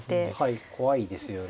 はい怖いですよね。